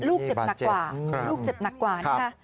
ลูกเจ็บหนักกว่าลูกเจ็บหนักกว่านะคะ